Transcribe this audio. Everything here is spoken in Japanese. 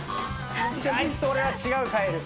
あいつと俺は違うカエル。